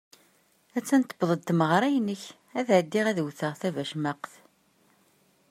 Att-an tewweḍ-d tmeɣṛa-inek ad ɛeddiɣ ad wwteɣ tabacmaqt.